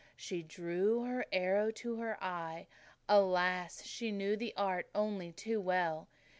She drew her arrow to her eye alas, she knew the art only too well!